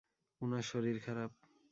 উনার শরীর খারাপ।